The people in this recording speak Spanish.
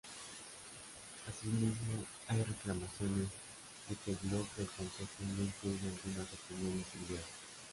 Asimismo hay reclamaciones de que el blog del consejo no incluye algunas opiniones enviadas.